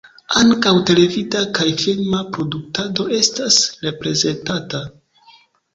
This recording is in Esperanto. Ankaŭ televida kaj filma produktado estas reprezentata.